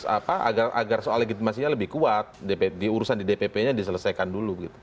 apa agar soal legitimasinya lebih kuat diurusan di dpp nya diselesaikan dulu gitu